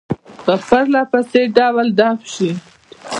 په پرله پسې ډول دفع شي.